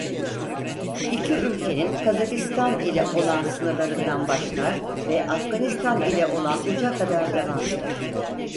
İki ülkenin Kazakistan ile olan sınırlarından başlar ve Afganistan ile olan uca kadar devam eder.